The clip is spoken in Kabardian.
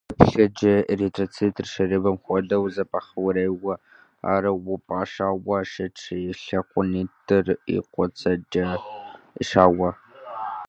Теплъэкӏэ эритроцитыр шэрыбым хуэдэу зэпэхъурейуэ, ауэ упӏэщӏауэ щытщ, и лъэныкъуитӏыр и кӏуэцӏкӏэ ишауэ.